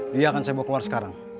dia akan sibuk keluar sekarang